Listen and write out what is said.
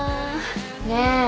・ねえ。